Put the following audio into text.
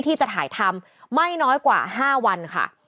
ที่จะถ่ายทำไม่น้อยกว่า๕วันค่ะ